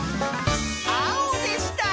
あおでした！